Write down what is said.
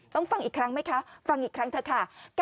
ฟังอีกครั้งไหมคะฟังอีกครั้งเถอะค่ะ